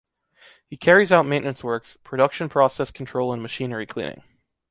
He carries out maintenance works, production process control and machinery cleaning.